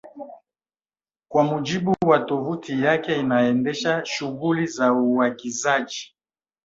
Kwa mujibu wa tovuti yake inaendesha shughuli za uagizaji